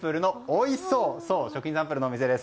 食品サンプルのお店です。